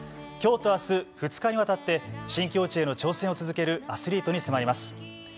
きょうとあす、２日にわたって新境地への挑戦を続けるアスリートに迫ります。